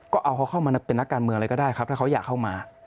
ก็เอาเขาเข้ามาเป็นนักการเมืองอะไรก็ได้ครับถ้าเขาอยากเข้ามา